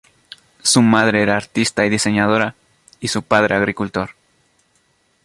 Su madre era artista y diseñadora, y su padre agricultor.